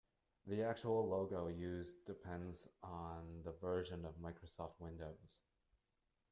The actual logo used depends on the version of Microsoft Windows.